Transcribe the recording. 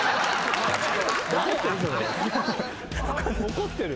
怒ってる？